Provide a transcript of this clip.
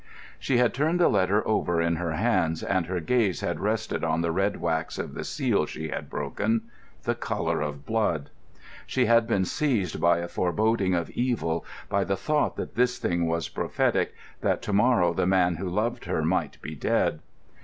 She had turned the letter over in her hands, and her gaze had rested on the red wax of the seal she had broken. The colour of blood! She had been seized by a foreboding of evil, by the thought that this thing was prophetic, that to morrow the man who loved her might be dead.